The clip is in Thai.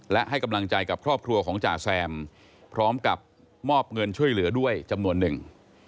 และให้กำลังใจกับครอบครัวของจ่าแซมพร้อมกับมอบเงินช่วยเหลือด้วยจำนวนหนึ่ง